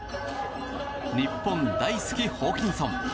日本大好きホーキンソン。